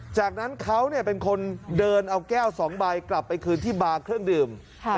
จากนั้นเขาเป็นคนเดินเอาแก้ว๒ใบกลับไปคืนที่บาร์เครื่องดื่ม